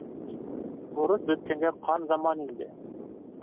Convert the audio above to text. — Бурыс бөткәнгә ҡан заман инде.